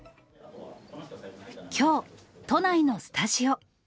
きょう、都内のスタジオ。